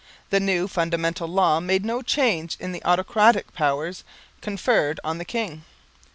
The new Fundamental Law made no change in the autocratic powers conferred on the king.